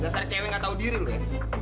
dasar cewek gak tau diri lu ya